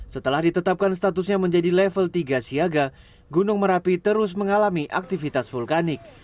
setelah ditetapkan statusnya menjadi level tiga siaga gunung merapi terus mengalami aktivitas vulkanik